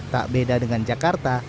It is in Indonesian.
tak beda dengan jakarta